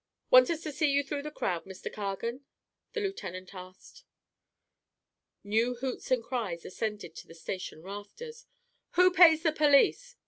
"Want us to see you through the crowd, Mr. Cargan?" the lieutenant asked. New hoots and cries ascended to the station rafters. "Who pays the police?"